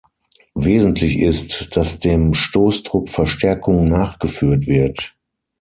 Wesentlich ist, dass dem Stoßtrupp Verstärkung nachgeführt wird.